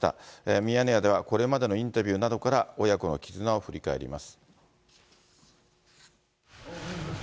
ミヤネ屋では、これまでのインタビューなどから、親子の絆を振り返ります。